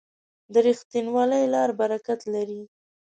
د رښتینولۍ لار برکت لري.